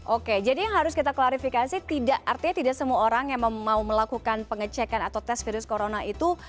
oke jadi yang harus kita klarifikasi artinya tidak semua orang yang mau melakukan pengecekan atau tes virus corona itu